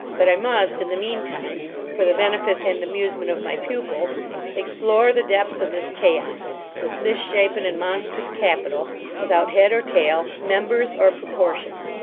But I must, in the mean time, for the benefit and amusement of my pupils, explore the depths of this chaos; this misshapen and monstrous capital, without head or tail, members or proportion.